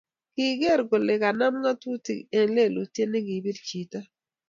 keger kole konam ngátutik eng yelutiet nekipir chito